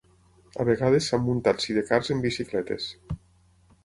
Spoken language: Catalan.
A vegades s'han muntat sidecars en bicicletes.